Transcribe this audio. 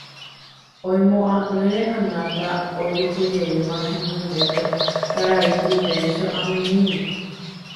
oimo'ã'ỹre Anata ojuhujeýma henondépe karai Prudencio amyrỹime